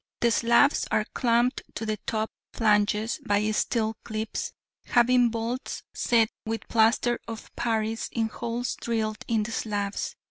The slabs are clamped to the top flanges by steel clips, having bolts set with plaster of Paris in holes drilled in the slabs.